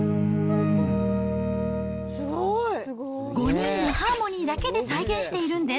５人のハーモニーだけで再現しているんです。